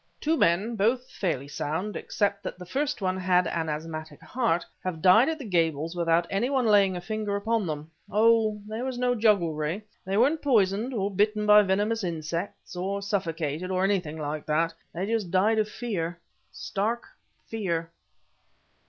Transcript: "Two men, both fairly sound, except that the first one had an asthmatic heart, have died at the Gables without any one laying a little finger upon them. Oh! there was no jugglery! They weren't poisoned, or bitten by venomous insects, or suffocated, or anything like that. They just died of fear stark fear."